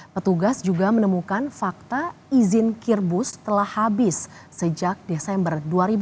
petugas juga menemukan fakta izin kirbus telah habis sejak desember dua ribu dua puluh